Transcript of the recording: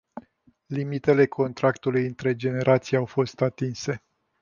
Limitele contractului între generații au fost atinse.